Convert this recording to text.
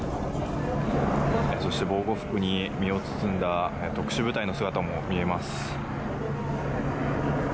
そして防護服に身を包んだ特殊部隊の姿も見えます。